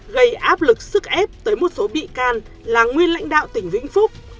gây áp lực sức ép tới một số bị can là nguyên lãnh đạo tỉnh vĩnh phúc